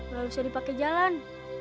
gak usah dipake jalan